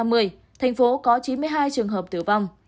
ngày sáu tháng một mươi thành phố có chín mươi hai trường hợp tử vong